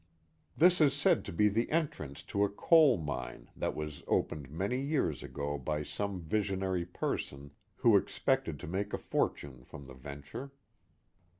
This is said to be the entrance to a coal mine that was opened many years ago by some visionary person who expected to make a fortune from the venture.